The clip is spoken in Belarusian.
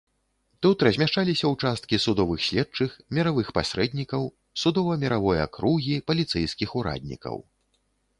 Тут размяшчаліся ўчасткі судовых следчых, міравых пасрэднікаў, судова-міравой акругі, паліцэйскіх ураднікаў.